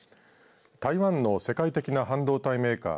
台湾の世界的な半導体メーカー